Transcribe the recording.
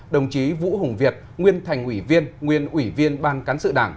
đồng chí vũ hùng việt nguyên thành ủy viên nguyên ủy viên ban cán sự đảng